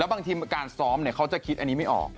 แล้วบางทีการซ้อมเนี่ยเขาจะคิดอันนี้ไม่ออก